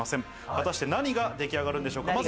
果たして何ができ上がるんでしょうか？